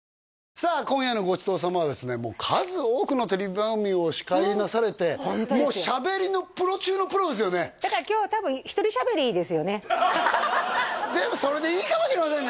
さあ今夜のごちそう様はですね数多くのテレビ番組を司会なされてしゃべりのプロ中のプロですよねだから今日多分ひとりしゃべりですよねでもそれでいいかもしれませんね